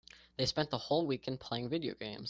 They spent the whole weekend playing video games.